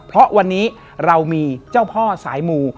เพราะวันนี้เรามีเจ้าพ่อสายมู